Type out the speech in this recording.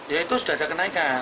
ya itu sudah ada kenaikan